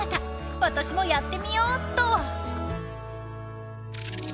［私もやってみよーっと］